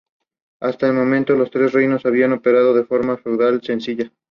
Hasta este momento, los tres reinos habían operado en una forma feudal sencilla.